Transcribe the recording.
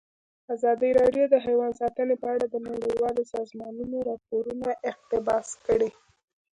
ازادي راډیو د حیوان ساتنه په اړه د نړیوالو سازمانونو راپورونه اقتباس کړي.